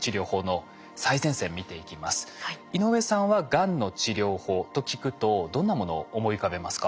井上さんはがんの治療法と聞くとどんなものを思い浮かべますか？